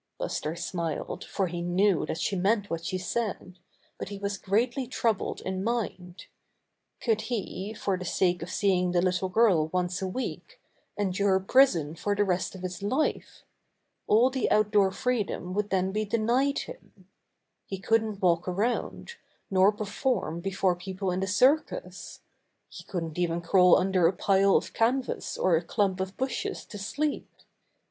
Buster smiled, for he knew that she meant what she said, but he was greatly troubled in mind. Could he, for the sake of seeing the little girl once a week, endure prison for the rest of his life? All the outdoor freedom would then be denied him. He couldn't walk around, nor perform before people fn the cir cus; he couldn't even crawl under a pile of canvas or a clump of bushes to sleep.